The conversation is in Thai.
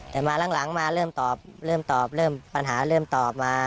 แต่มาหลังมาเริ่มตอบเริ่มตอบเริ่มปัญหาเริ่มตอบมา